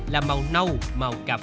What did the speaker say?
là màu nâu màu cà phê